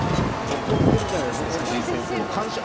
ボコってるじゃないすか藤井先生のこと。